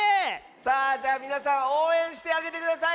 さあじゃあみなさんおうえんしてあげてください！